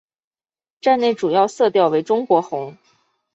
站内主要色调为中国红。